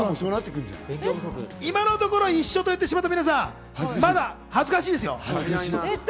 今のところ、一緒といってしまった皆さん、恥ずかしいですよ。